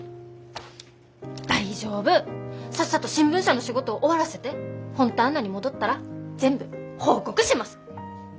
大丈夫さっさと新聞社の仕事を終わらせてフォンターナに戻ったら全部報告します！